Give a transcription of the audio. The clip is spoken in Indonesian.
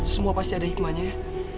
semua pasti ada hikmahnya ya